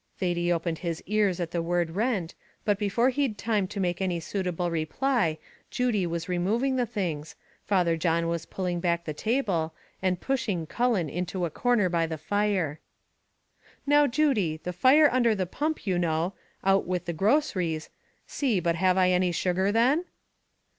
Thady opened his ears at the word rent, but before he'd time to make any suitable reply, Judy was moving the things, Father John was pulling back the table, and pushing Cullen into a corner by the fire. "Now, Judy, the fire under the pump, you know; out with the groceries, see, but have I any sugar, then?"